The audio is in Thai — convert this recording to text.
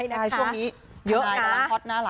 ยังไม่พร้อมฉีดใคร